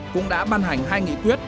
cũng đã ban hành hai nghị quyết